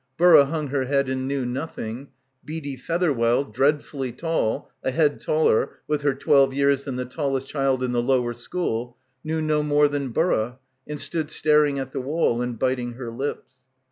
Burra hung her head and knew nothing. Beadie Featherwell, dreadfully tall, a head taller, with her twelve years, than the tallest child in the lower school, knew no more than Burra and stood staring at the wall and biting her lips.